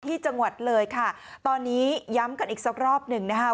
ที่จังหวัดเลยค่ะตอนนี้ย้ำกันอีกสักรอบหนึ่งนะคะ